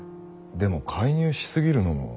でも介入しすぎるのも。